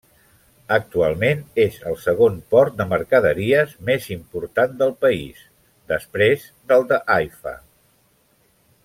Actualment és el segon port de mercaderies més important del país després del de Haifa.